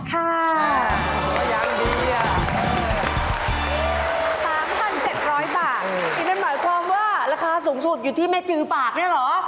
มันหมายความว่าราคาสูงสุดอยู่ที่เมจือปากเนี่ยเหรอ